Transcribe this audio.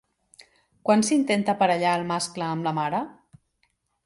Quan s'intenta aparellar el mascle amb la mare?